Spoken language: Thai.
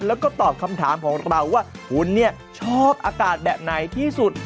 แล้วก็ตอบคำถามของเราว่าคุณเนี่ยชอบอากาศแบบไหนที่สุด